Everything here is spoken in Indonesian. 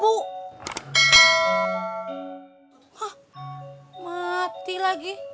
hah mati lagi